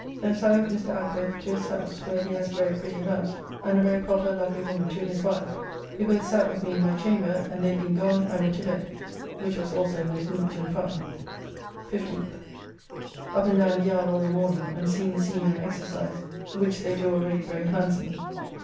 Thence I with Mr. Ackworth to his house, where he has a very pretty house, and a very proper lovely woman to his wife, who both sat with me in my chamber, and they being gone, I went to bed, which was also most neat and fine. 15th. Up and down the yard all the morning and seeing the seamen exercise, which they do already very handsomely.